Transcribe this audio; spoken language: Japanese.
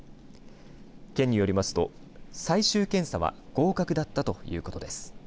県によりますと最終検査は合格だったということです。